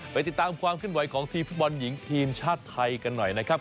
ไปติดตามความขึ้นไหวของทีมฟุตบอลหญิงทีมชาติไทยกันหน่อยนะครับ